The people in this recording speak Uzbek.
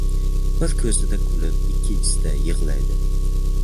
• Bir ko‘zida kulib, ikkinchisida yig‘laydi.